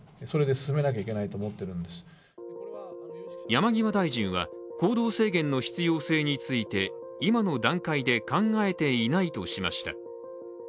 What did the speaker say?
山際大臣は行動制限の必要性について今の段階で考えていないとしました。